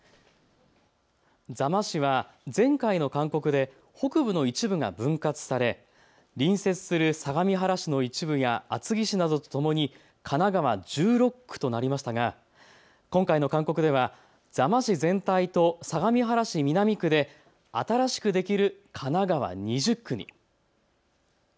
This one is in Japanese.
座間市は前回の勧告で北部の一部が分割され隣接する相模原市の一部や厚木市などとともに神奈川１６区となりましたが今回の勧告では座間市全体と相模原市南区で新しくできる神奈川２０区に。